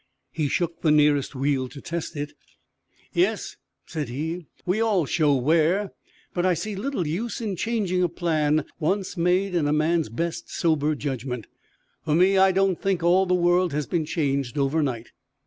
He shook the nearest wheel to test it. "Yes," said he, "we all show wear. But I see little use in changing a plan once made in a man's best sober judgment. For me, I don't think all the world has been changed overnight."